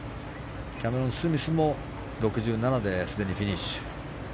キャメロン・スミスも６７ですでにフィニッシュ。